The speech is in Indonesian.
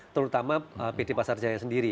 terutama pd pasar jaya sendiri